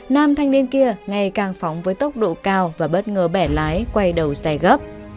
nam thanh niên kia ngày càng phóng với tốc độ cao và bất ngờ bẻ lái quay đầu xe gấp